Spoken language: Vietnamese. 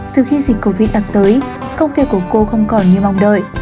từ khi dịch covid đặt tới công ty của cô không còn như mong đợi